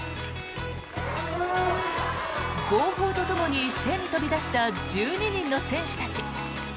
号砲とともに一斉に飛び出した１２人の選手たち。